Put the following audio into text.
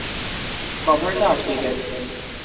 কভারটা আটকে গেছে।